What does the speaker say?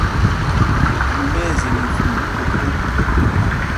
Mumá ɛ̂ zye nɛ ifumbú koko.